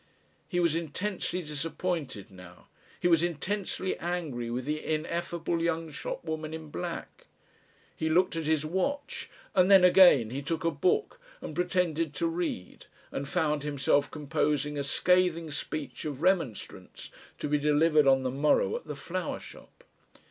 He was intensely disappointed now, he was intensely angry with the ineffable young shop woman in black. He looked at his watch and then again, he took a book and pretended to read and found himself composing a scathing speech of remonstrance to be delivered on the morrow at the flower shop.